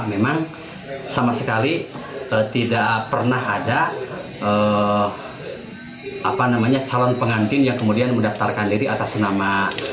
memang sama sekali tidak pernah ada calon pengantin yang kemudian mendaftarkan diri atasi nama